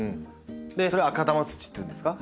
それ赤玉土っていうんですか？